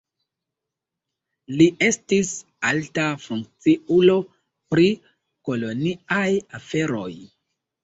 Li estis alta funkciulo pri koloniaj aferoj.